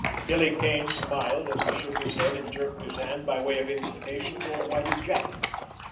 Billy Kane smiled, as he shook his head and jerked his hand by way of invitation toward Whitie Jack.